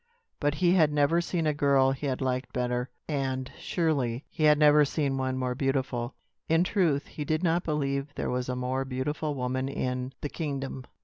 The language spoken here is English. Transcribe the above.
But he had never seen a girl he had liked better; and, surely, he had never seen one more beautiful. In truth, he did not believe there was a more beautiful woman in the kingdom.